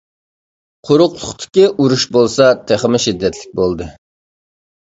قۇرۇقلۇقتىكى ئۇرۇش بولسا تېخىمۇ شىددەتلىك بولدى.